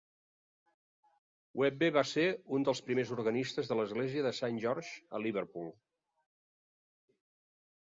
Webbe va ser un dels primers organistes de l'església de Saint George, a Liverpool.